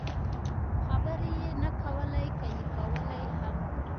خبرې یې نه کولې، که یې کولای هم.